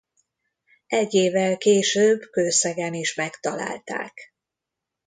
Egy évvel később Kőszegen is megtalálták.